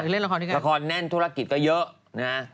เล่นละครที่ไหนละครแน่นธุรกิจก็เยอะ